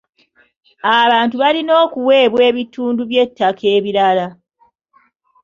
Abantu balina okuweebwa ebitundu by'ettaka ebirala.